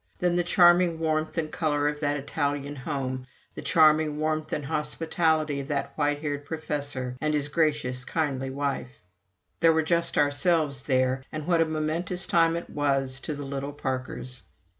Then the charming warmth and color of that Italian home, the charming warmth and hospitality of that white haired professor and his gracious, kindly wife. There were just ourselves there; and what a momentous time it was to the little Parkers!